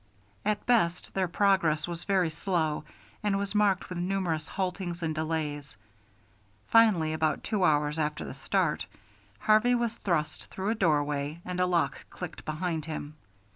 At best their progress was very slow and was marked with numerous haltings and delays. Finally, about two hours after the start, Harvey was thrust through a doorway and a lock clicked behind him.